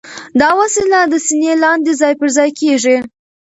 دا وسیله د سینې لاندې ځای پر ځای کېږي.